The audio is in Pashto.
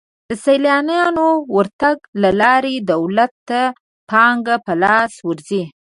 د سیلانیانو ورتګ له لارې دولت ته پانګه په لاس ورځي.